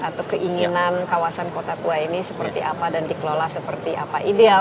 atau keinginan kawasan kota tua ini seperti apa dan dikelola seperti apa ideal